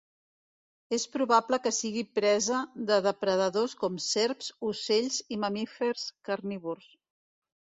És probable que sigui presa de depredadors com serps, ocells i mamífers carnívors.